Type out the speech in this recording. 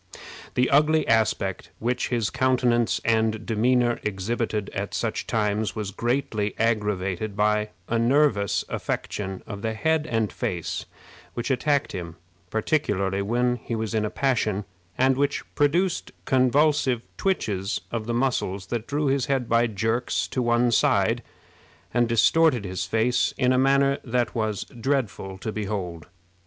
The ugly aspect which his countenance and demeanor exhibited at such times was greatly aggravated by a nervous affection of the head and face which attacked him, particularly when he was in a passion, and which produced convulsive twitches of the muscles that drew his head by jerks to one side, and distorted his face in a manner that was dreadful to behold.